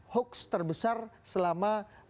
hoax terbesar selama